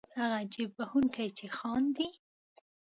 هغه جېب وهونکی چې خاندي.